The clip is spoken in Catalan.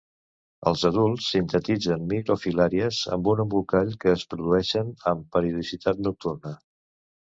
Els adults sintetitzen microfilàries amb un embolcall que es produeixen amb periodicitat nocturna.